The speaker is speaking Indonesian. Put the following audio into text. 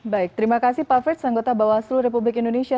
baik terima kasih pak frits anggota bawaslu republik indonesia